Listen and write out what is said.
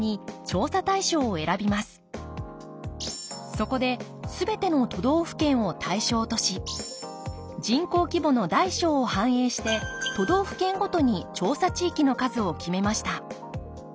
そこで全ての都道府県を対象とし人口規模の大小を反映して都道府県ごとに調査地域の数を決めました。